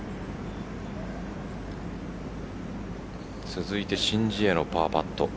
続いて申ジエのパーパット。